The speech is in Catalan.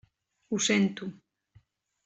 Ho sento.